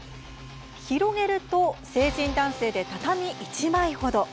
広げると、成人男性で畳１枚ほど。